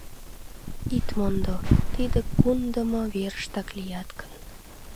Ит мондо: тиде кундымо верыштак лият гын...